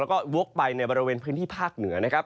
แล้วก็วกไปในบริเวณพื้นที่ภาคเหนือนะครับ